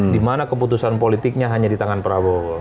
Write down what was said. dimana keputusan politiknya hanya di tangan prabowo